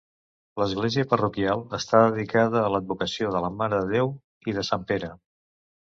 L'església parroquial està dedicada a l'advocació de la Mare de Déu i de sant Pere.